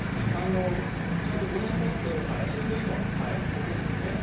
ちゃんと５年たって進んでいたということですね。